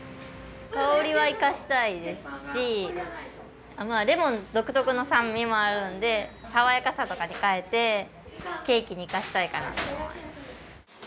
香りは生かしたいですしまあレモン独特の酸味もあるので爽やかさとかに変えてケーキに生かしたいかなと思います。